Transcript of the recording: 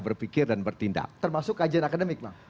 berpikir dan bertindak termasuk kajian akademik bang